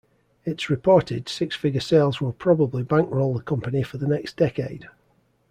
Its reported, six-figure sales will probably bank-roll the company for the next decade.